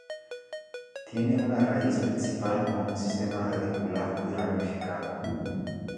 Tiene una raíz principal con un sistema radicular muy ramificado.